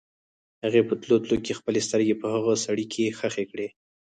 هغې په تلو تلو کې خپلې سترګې په هغه سړي کې ښخې کړې.